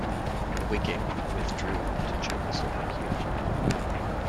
"Wiking" withdrew into Czechoslovakia.